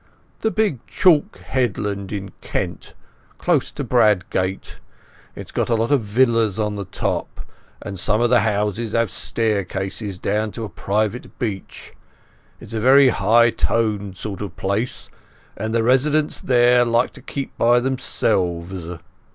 "The big chalk headland in Kent, close to Bradgate. It's got a lot of villas on the top, and some of the houses have staircases down to a private beach. It's a very high toned sort of place, and the residents there like to keep by themselves."